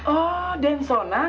oh dan suna